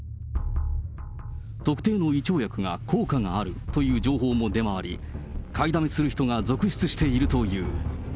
特定の胃腸薬が効果があるという情報も出回り、買いだめする人が続出しているという。